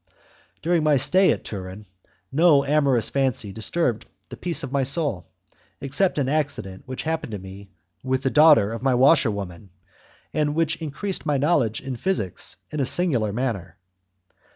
During my stay in Turin, no amorous fancy disturbed the peace of my soul, except an accident which happened to me with the daughter of my washerwoman, and which increased my knowledge in physics in a singular manner.